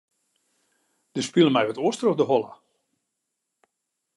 Der spile my wat oars troch de holle.